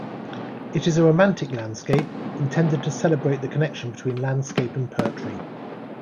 It is a "romantic landscape", intended to celebrate the connection between landscape and poetry.